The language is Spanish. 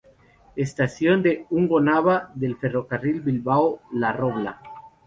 Estación de Ungo-Nava del ferrocarril Bilbao La Robla.